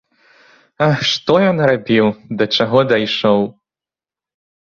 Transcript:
Ах, што я нарабіў, да чаго дайшоў!